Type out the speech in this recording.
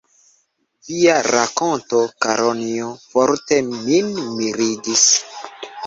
Via rakonto, Karonjo, forte min mirigis.